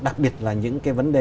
chỉ là những cái vấn đề